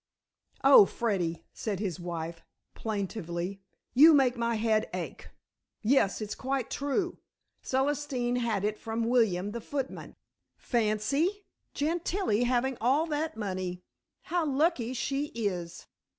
"Oh, Freddy," said his wife plaintively. "You make my head ache. Yes, it's quite true. Celestine had it from William the footman. Fancy, Gentilla having all that money. How lucky she is."